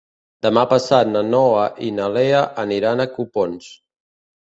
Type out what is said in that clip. Demà passat na Noa i na Lea aniran a Copons.